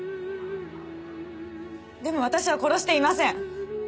でも私は殺していません！